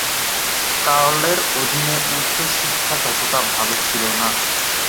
ক্যারলের অধীনে উচ্চ শিক্ষা ততটা ভাল ছিল না।